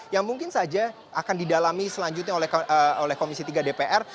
yang mungkin saja akan didalami selanjutnya oleh komisi tiga dpr